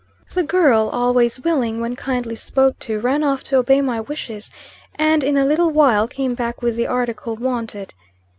The girl, always willing, when kindly spoke to, ran off to obey my wishes, and in a little while came back with the article wanted.